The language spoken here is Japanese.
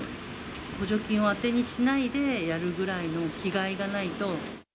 補助金を当てにしないでやるぐらいの気概がないと。